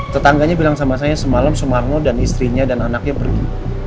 tetangganya bilang sama saya semalam sumarno dan istrinya dan anaknya pergi